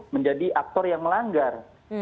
menjadi aktor yang melanggar